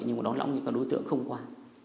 nhưng mà đón lõng như các đối tượng không qua